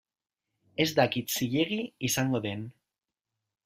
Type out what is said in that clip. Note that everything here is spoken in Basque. Ez dakit zilegi izango den.